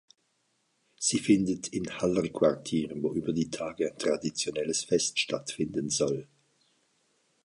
Sie findet in Haller Quartier, wo über die Tage ein traditionelles Fest stattfinden soll.